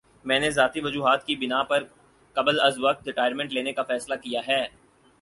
میں نے ذاتی وجوہات کی بِنا پر قبلازوقت ریٹائرمنٹ لینے کا فیصلہ کِیا ہے